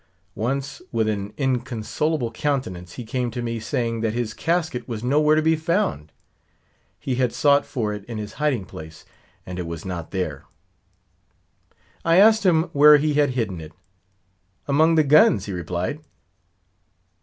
Once, with an inconsolable countenance, he came to me, saying that his casket was nowhere to be found; he had sought for it in his hiding place, and it was not there. I asked him where he had hidden it? "Among the guns," he replied.